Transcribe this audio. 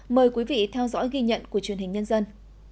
mời quý vị theo dõi ghi nhận của truyền hình nhân dân